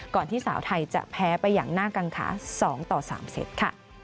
ก่อนที่สาวไทยจะแพ้ไปอย่างหน้ากังคา๒ต่อ๓เสร็จค่ะ